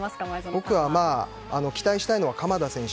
僕は期待したいのは鎌田選手。